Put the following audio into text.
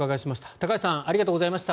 高橋さんありがとうございました。